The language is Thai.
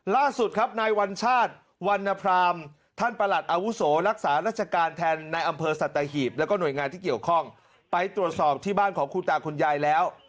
ล่าสุดครับนายวัญชาติวันนพรามท่านประหลัดอาวุโสรักษาราชการแทนในอำเภอสัตหีบแล้วก็หน่วยงานที่เกี่ยวข้องไปตรวจสอบที่บ้านของคุณตาคุณยายแล้ว